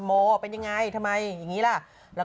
ไม่ทรงรับ